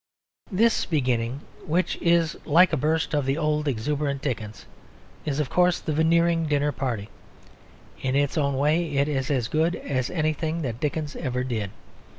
This beginning, which is like a burst of the old exuberant Dickens, is, of course, the Veneering dinner party. In its own way it is as good as anything that Dickens ever did.